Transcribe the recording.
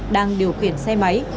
đang điều khiển xe máy